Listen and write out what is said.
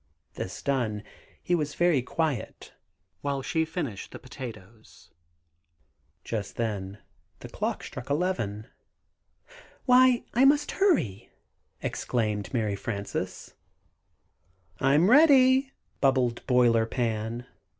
This done, he was very quiet, while she finished the potatoes. Just then the clock struck eleven. [Illustration: The clock struck eleven.] "Why, I must hurry," exclaimed Mary Frances. "I'm ready," bubbled Boiler Pan.